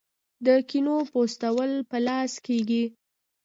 د کینو پوستول په لاس کیږي.